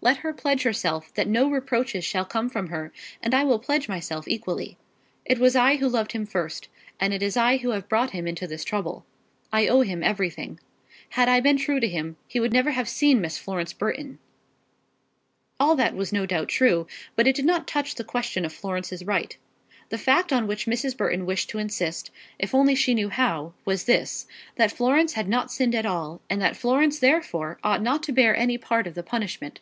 Let her pledge herself that no reproaches shall come from her, and I will pledge myself equally. It was I who loved him first, and it is I who have brought him into this trouble. I owe him everything. Had I been true to him, he would never have thought of, never have seen, Miss Florence Burton." All that was, no doubt, true, but it did not touch the question of Florence's right. The fact on which Mrs. Burton wished to insist, if only she knew how, was this, that Florence had not sinned at all, and that Florence therefore ought not to bear any part of the punishment.